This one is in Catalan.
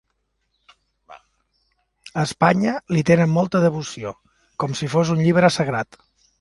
A Espanya li tenen molta devoció, com si fos un llibre sagrat.